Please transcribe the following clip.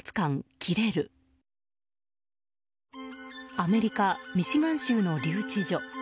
アメリカ・ミシガン州の留置場。